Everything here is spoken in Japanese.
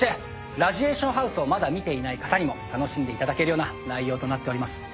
『ラジエーションハウス』をまだ見ていない方にも楽しんでいただけるような内容となっております。